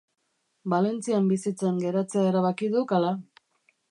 Valentzian bizitzen geratzea erabaki duk ala?